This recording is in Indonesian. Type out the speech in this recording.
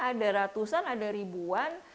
ada ratusan ada ribuan